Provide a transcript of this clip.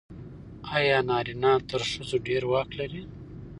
آیا نارینه تر ښځو ډېر واک لري؟